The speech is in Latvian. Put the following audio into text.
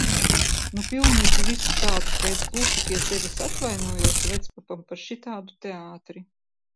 Nu, pilnīgi viss tāds, ka es klusi pie sevis atvainojos vecpapam par šitādu teātri.